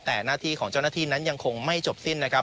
แต่หน้าที่ของเจ้าหน้าที่นั้นยังคงไม่จบสิ้นนะครับ